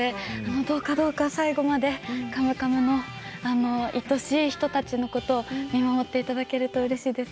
どうか最後まで「カムカム」のいとしい人たちのことを見守っていただけるとうれしいです。